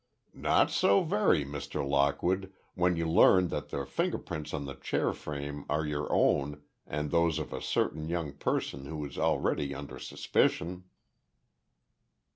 "Not so very, Mr. Lockwood, when you learn that the finger prints on the chair frame are your own and those of a certain young person who is already under suspicion."